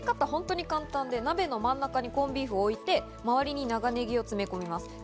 本当に簡単で、鍋の真ん中にコンビーフをおいて、周りに長ネギを詰め込みます。